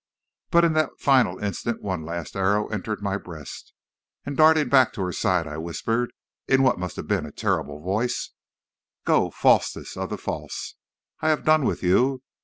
"But in that final instant one last arrow entered my breast, and darting back to her side, I whispered, in what must have been a terrible voice: "'Go, falsest of the false! I have done with you!